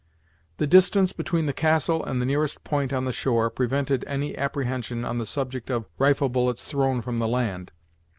The distance between the castle and the nearest point on the shore, prevented any apprehension on the subject of rifle bullets thrown from the land.